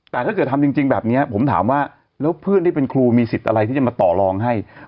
แต่ถ้าเกิดทำจริงแบบนี้ผมถามว่าแล้วเพื่อนที่เป็นครูมีสิทธิ์อะไรที่จะมาต่อลองให้